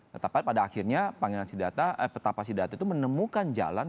tetapi pada akhirnya pangeran siddhartha petapa siddhartha itu menemukan jalan yang disebut